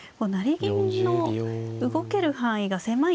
成銀の動ける範囲が狭いんですね。